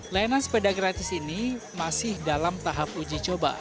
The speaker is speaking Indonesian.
layanan sepeda gratis ini masih dalam tahap uji coba